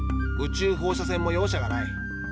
宇宙放射線も容赦がない。